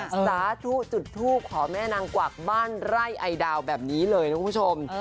สาธุจุดทูปขอแม่นางกวักบ้านไร่ไอดาวแบบนี้เลยนะคุณผู้ชม